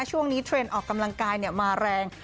ช่วงนี้เทรนด์ออกกำลังกายมาแรง